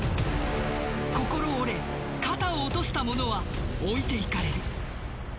心折れ、肩を落とした者は置いていかれる。